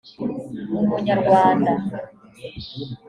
umunyarwanda